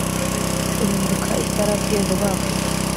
Uhinduka isarabwe vuba vuba